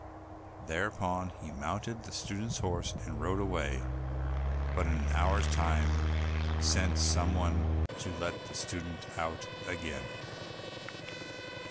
Thereupon he mounted the student's horse and rode away, but in an hour's time sent some one to let the student out again.